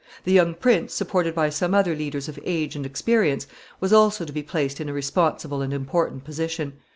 The young prince, supported by some other leaders of age and experience, was also to be placed in a responsible and important position.